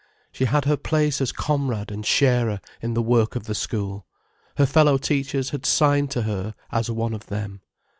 She had her place as comrade and sharer in the work of the school, her fellow teachers had signed to her, as one of them.